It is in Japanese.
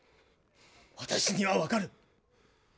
私には分かる。